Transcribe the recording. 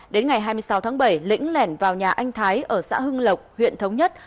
đến ngày hai mươi sáu tháng bảy lĩnh lẻn vào nhà anh thái ở xã hưng lộc huyện thống nhất